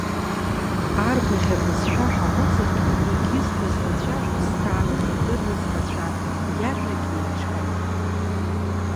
Арбаӷь абызшәа ҳаҟәыҵыргьы, егьыс дызлацәажәоз, зҭаарых идыруаз рацәан, иажәагьы еиҿкаан.